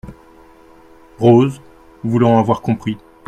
Rose , voulant avoir compris.